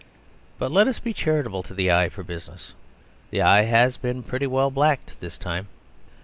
But let us be charitable to the eye for business; the eye has been pretty well blacked this time.